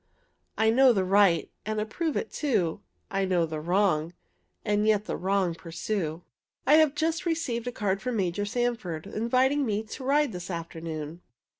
"I know the right; and I approve it too; I know the wrong, and yet the wrong pursue." I have just received a card from Major Sanford, inviting me to ride this afternoon.